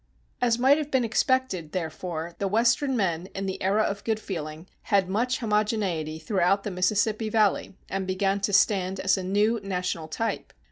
As might have been expected, therefore, the Western men, in the "era of good feeling," had much homogeneity throughout the Mississippi Valley, and began to stand as a new national type.